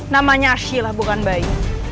namanya arsyilah bukan bayi